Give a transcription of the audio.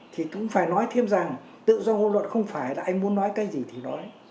thì cũng phải nói thêm rằng tự do ngôn luận không phải là anh muốn nói cái gì thì nói